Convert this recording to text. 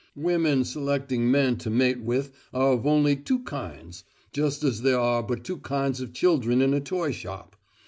Women selecting men to mate with are of only two kinds, just as there are but two kinds of children in a toy shop.